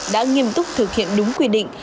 đã nghiêm túc thực hiện đúng quy định